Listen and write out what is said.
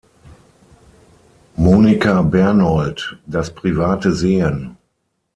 Monika Bernold: Das Private sehen.